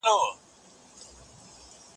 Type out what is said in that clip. د جګړې او سولې رومان د بشریت د پوهې مېوه ده.